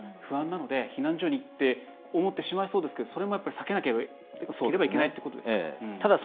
不安なので避難所にって思ってしまいそうですけどそれもやっぱり避けなければいけないってことですか。